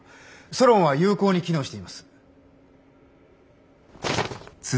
ソロンは有効に機能しています。